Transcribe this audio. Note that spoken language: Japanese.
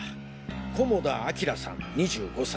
菰田明さん２５歳。